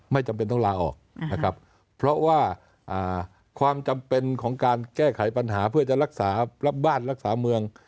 ไม่จำเป็นต้องลาออกนะครับเพราะว่าความจำเป็นของการแก้ไขปัญหาเพื่อจะรักษารับบ้านรักษาเมือง